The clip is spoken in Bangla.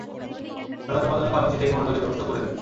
তারা তোমার জন্য ফার্মেসি থেকে মাদকের ব্যবস্থাও করে দিবে।